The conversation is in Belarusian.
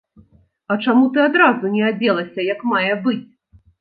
А чаму ты адразу не адзелася як мае быць?